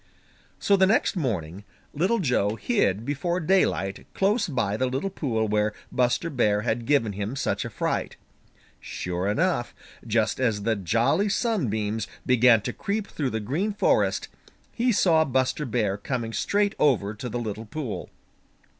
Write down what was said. So the next morning Little Joe hid before daylight close by the little pool where Buster Bear had given him such a fright. Sure enough, just as the Jolly Sunbeams began to creep through the Green Forest, he saw Buster Bear coming straight over to the little pool.